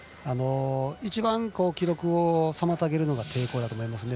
一番記録妨げるのが抵抗だと思います。